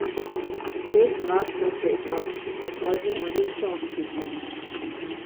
Kurz darauf schaffte es auch das Album an die Chartspitze.